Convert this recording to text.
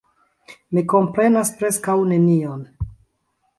Mi komprenas preskaŭ nenion.